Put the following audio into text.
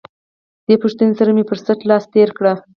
دې پوښتنې سره مې پر څټ لاس تېر کړ.